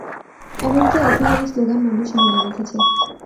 এমনকি এখনও এই স্লোগান মানুষে মনে রেখেছে।